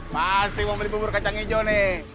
pasti mau beli bubur kacang hijau nih